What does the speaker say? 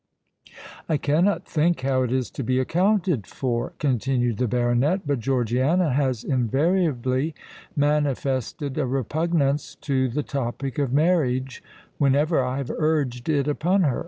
"I cannot think how it is to be accounted for," continued the baronet; "but Georgiana has invariably manifested a repugnance to the topic of marriage whenever I have urged it upon her.